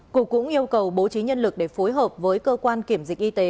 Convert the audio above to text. cục cũng yêu cầu bố trí nhân lực để phối hợp với cơ quan kiểm dịch y tế